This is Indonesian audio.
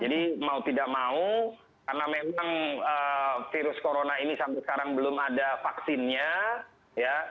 jadi mau tidak mau karena memang virus corona ini sampai sekarang belum ada vaksinnya ya